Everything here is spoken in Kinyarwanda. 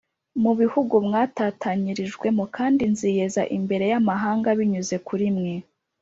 Mu bihugu mwatatanyirijwemo o kandi nziyeza imbere y amahanga binyuze kuri mwe